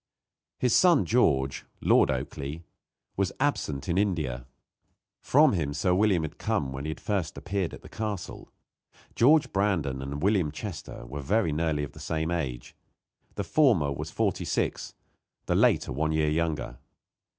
His son George, Lord Oakleigh, was absent in India. From him Sir William had come when he first appeared at the castle. George Brandon and William Chester were very nearly of the same age. The former was forty six, the later one year younger.